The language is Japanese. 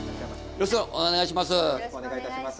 よろしくお願いします。